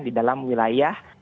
di dalam wilayah